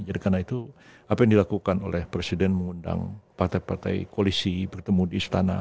jadi karena itu apa yang dilakukan oleh presiden mengundang partai partai koalisi bertemu di istana